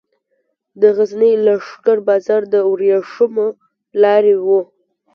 د غزني لښکر بازار د ورېښمو لارې و